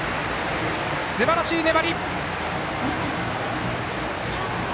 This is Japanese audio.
すばらしい粘り！